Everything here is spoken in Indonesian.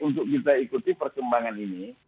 untuk kita ikuti perkembangan ini